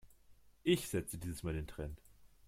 Ich setze dieses mal den Trend.